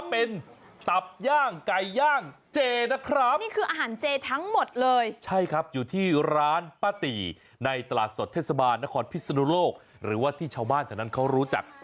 มันเหมือนมากเลยครับ